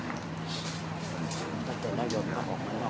ขอบคุณครับ